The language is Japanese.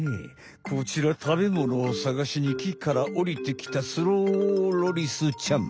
こちら食べものを探しにきからおりてきたスローロリスちゃん。